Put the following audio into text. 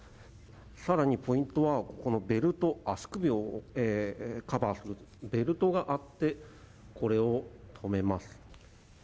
さらにポイントはここのベルト足首をカバーするベルトがあってこれを留めます。